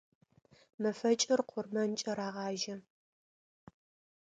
Мэфэкӏыр къурмэнкӏэ рагъажьэ.